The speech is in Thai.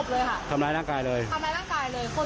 เขาก็หามีดหาหาอุทธกรณ์